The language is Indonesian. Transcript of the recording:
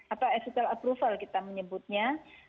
atau exital approval kita menyebutnya